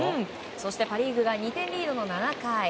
そしてパ・リーグが２点リードの７回。